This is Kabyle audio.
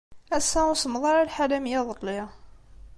Ass-a ur semmeḍ ara lḥal am yiḍelli.